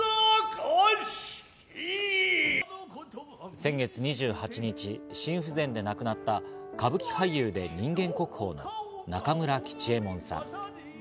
先月２８日、心不全で亡くなった、歌舞伎俳優で人間国宝の中村吉右衛門さん。